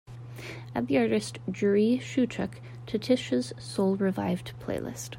Add the artist Jurij Szewczuk to tisha's soul revived playlist.